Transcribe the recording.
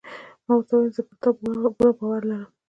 ما ورته وویل: زه پر تا پوره باور لرم.